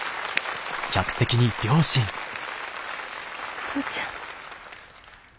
お父ちゃん。